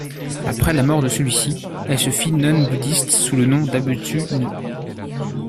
Après la mort de celui-ci, elle se fit nonne bouddhiste sous le nom d'Abutsu-ni.